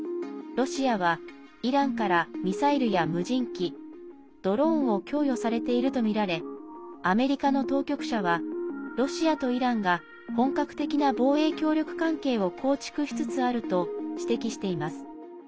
ロシアはイランからミサイルや無人機、ドローンを供与されているとみられアメリカの当局者はロシアとイランが本格的な防衛協力関係を構築しつつあると指摘しています。